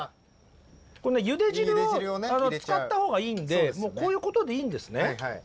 ゆで汁を使ったほうがいいんでこういうことでいいんですね。